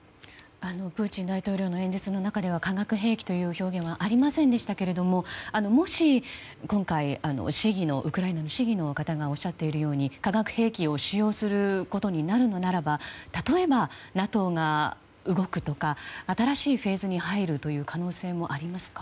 プーチン大統領の演説の中では化学兵器という表現はありませんでしたがもし、今回ウクライナの市議の方がおっしゃっているように化学兵器を使用することになるのならば例えば、ＮＡＴＯが動くとか新しいフェーズに入る可能性もありますか？